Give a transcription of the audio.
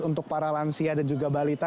untuk para lansia dan juga balita